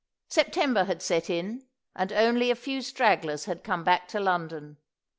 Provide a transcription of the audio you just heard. September had set in, and only a few stragglers had come back to London.